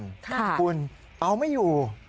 คุณเอาไม่อยู่